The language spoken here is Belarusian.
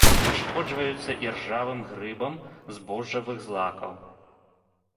Пашкоджваюцца іржаўным грыбам збожжавых злакаў.